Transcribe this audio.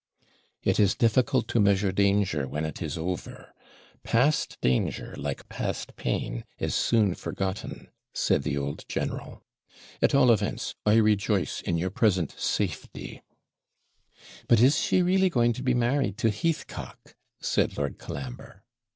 'It is difficult to measure danger when it is over past danger, like past pain, is soon forgotten,' said the old general. 'At all events, I rejoice in your present safety.' 'But is she really going to be married to Heathcock?' said Lord Colambre.